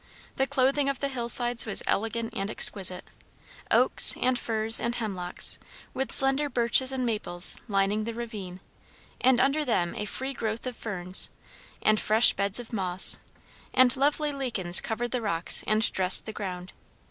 The clothing of the hill sides was elegant and exquisite; oaks, and firs, and hemlocks, with slender birches and maples, lining the ravine; and under them a free growth of ferns, and fresh beds of moss, and lovely lichens covered the rocks and dressed the ground.